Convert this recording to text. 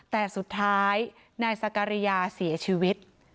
แต่สุดท้ายนายสการิยาเสียชีวิต